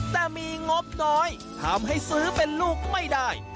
แต่มีงบน้อยทำให้ซื้อเป็นลูกไม่ได้